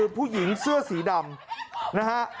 ผู้หญิงเสื้อสีดำ